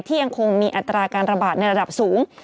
ยังคงมีอัตราการระบาดในระดับสูง